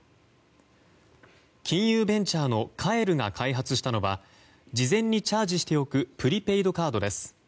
金融ベンチャーのＫＡＥＲＵが開発したのは事前にチャージしておくプリペイドカードです。